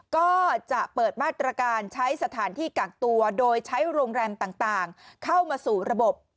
ก็จะเปิดมาตรการใช้สถานที่กักตัวโดยใช้โรงแรมต่างเข้ามาสู่ระบบ